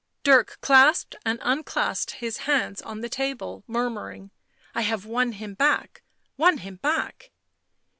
Dirk clasped and unclasped his hands on the table, murmuring :" I have won him back — won him back